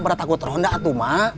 pada takut ronda atau mah